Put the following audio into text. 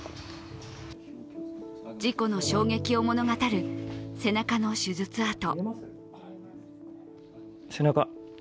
事故の衝撃を物語る背中の手術痕。